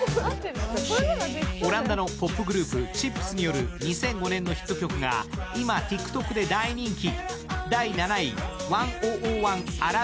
オランダのポップグループ、Ｃｈｉｐｚによる２００５年のヒット曲が今、ＴｉｋＴｏｋで大人気。